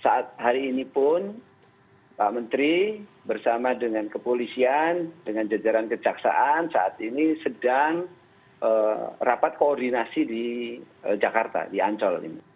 saat hari ini pun pak menteri bersama dengan kepolisian dengan jajaran kejaksaan saat ini sedang rapat koordinasi di jakarta di ancol ini